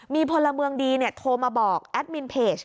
มีพลเมืองดีโทรมาบอกแอดมินเพจ